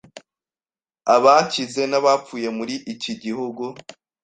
abakize n’abapfuye muri iki gihugu